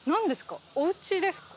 おうちですか？